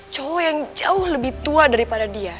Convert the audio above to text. cowok yang jauh lebih tua daripada dia